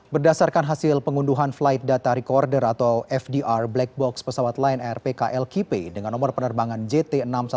berdasarkan hasil pengunduhan flight data recorder atau fdr black box pesawat lion air pklkp dengan nomor penerbangan jt enam ratus sepuluh